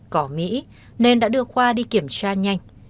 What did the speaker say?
cỏ mỹ nên đã đưa khoa đi kiểm tra nhanh